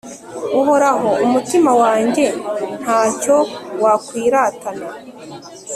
uhoraho, umutima wanjye nta cyo wakwiratana